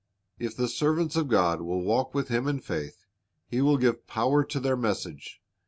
"^ If the servants of God will walk with Him in faith, He will give power to their message.